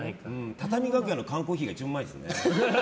畳楽屋の缶コーヒーが一番おいしいです。